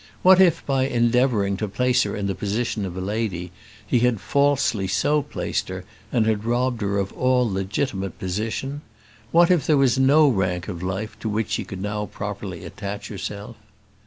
What if by endeavouring to place her in the position of a lady, he had falsely so placed her, and robbed her of all legitimate position? What if there was no rank of life to which she could now properly attach herself?